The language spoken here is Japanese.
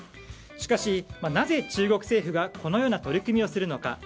しかし、なぜ中国政府がこのような取り組みをするのか